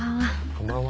こんばんは。